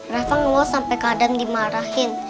rafa ngelola sampai kak adam dimarahin